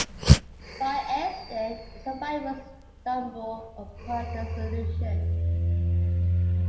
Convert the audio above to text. By accident, the survivors stumble upon the solution.